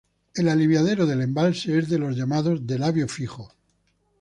El aliviadero del embalse es de los llamados de labio fijo.